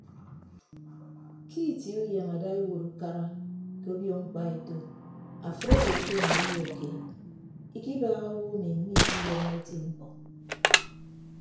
Ke itie uyem ada iwuot ukara ke obio mkpaeto afịt owo ekenie uyo keed ikibaaha owo emi miikiyemme eti mkpọ.